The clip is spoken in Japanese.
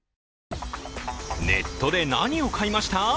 ネットで何を買いました？